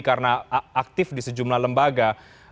karena aktif di sejumlah lembaga